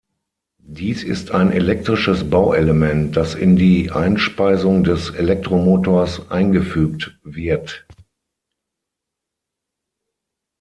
Dies ist ein elektrisches Bauelement, das in die Einspeisung des Elektromotors eingefügt wird.